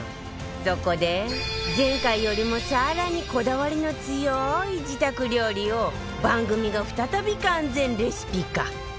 そこで前回よりも更にこだわりの強い自宅料理を番組が再び完全レシピ化